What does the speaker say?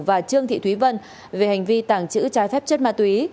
và trương thị thúy vân về hành vi tàng trữ trái phép chất ma túy